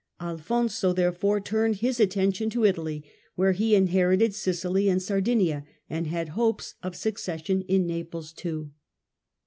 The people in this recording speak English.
Al fonso, therefore, turned his attention to Italy, where he inherited Sicily and Sardinia, and had hopes of succes sion in Naples also.